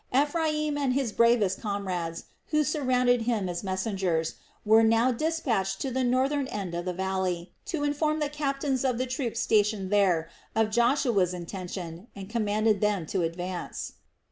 Ephraim and his bravest comrades, who surrounded him as messengers, were now despatched to the northern end of the valley to inform the captains of the troops stationed there of Joshua's intention and command them to advance.